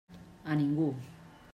A ningú.